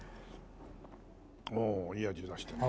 おおいい味出してるね。